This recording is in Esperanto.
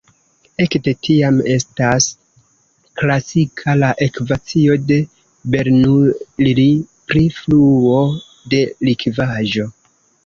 Ekde tiam estas klasika la ekvacio de Bernoulli pri fluo de likvaĵo.